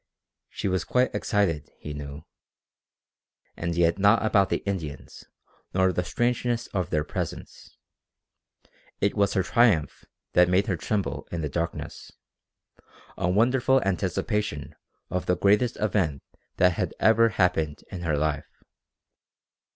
She was quite excited, he knew. And yet not about the Indians, nor the strangeness of their presence. It was her triumph that made her tremble in the darkness, a wonderful anticipation of the greatest event that had ever happened in her life.